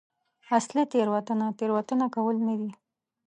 اصلي تېروتنه تېروتنه کول نه دي.